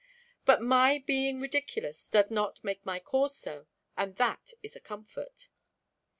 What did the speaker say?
"But my being ridiculous does not make my cause so, and that is a comfort."